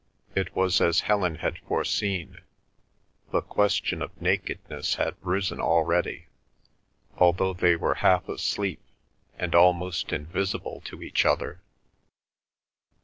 It was as Helen had foreseen; the question of nakedness had risen already, although they were half asleep, and almost invisible to each other.